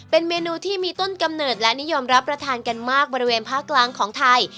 เป็นเมนูที่มีต้นกำเนิดและนิยมรับประทานกันมากบริเวณภาคกลางของไทย